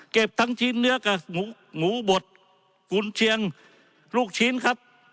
ทั้งชิ้นเนื้อกับหมูบดกุญเชียงลูกชิ้นครับ